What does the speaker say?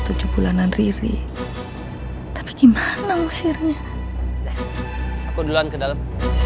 tujuh bulanan riri tapi gimana mengusirnya aku duluan ke dalam